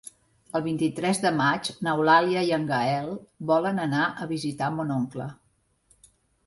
El vint-i-tres de maig n'Eulàlia i en Gaël volen anar a visitar mon oncle.